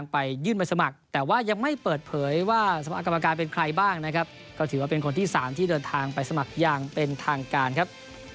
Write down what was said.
ไปยื่นใบสมัครแต่ว่ายังไม่เปิดเผยว่าสมัครกรรมการเป็นใครบ้างนะครับก็ถือว่าเป็นคนที่๓ที่เดินทางไปสมัครอย่างเป็นทางการครับ